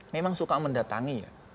memang suka mendatangi ya